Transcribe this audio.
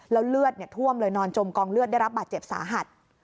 แล้วเลือดท่วมเลยนอนจมกองเลือดได้รับบาดเจ็บสาหัส